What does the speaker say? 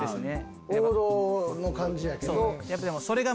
王道の感じやけど。